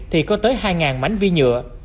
thì có tới hai mảnh vi nhựa